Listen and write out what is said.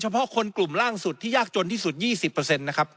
เฉพาะคนกลุ่มล่างสุดที่ยากจนที่สุดยี่สิบเปอร์เซ็นต์นะครับ